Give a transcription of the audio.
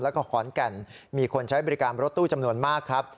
แล้วก็ขอนแก่นมีคนใช้บริการรถตู้จำนวนมากครับ